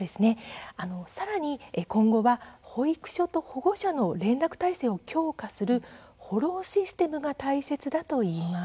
さらに今後、保育所と保護者の連絡体制を強化するフォローシステムが大切だといいます。